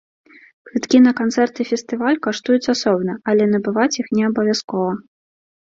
Квіткі на канцэрт і фестываль каштуюць асобна, але набываць іх не абавязкова.